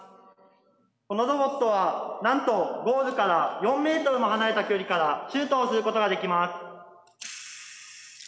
このロボットはなんとゴールから４ｍも離れた距離からシュートをすることができます。